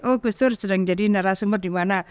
oh gustur sedang jadi narasumber di mana